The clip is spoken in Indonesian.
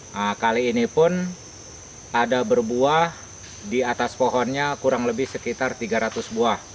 nah kali ini pun ada berbuah di atas pohonnya kurang lebih sekitar tiga ratus buah